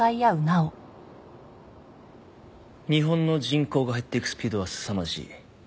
日本の人口が減っていくスピードはすさまじい。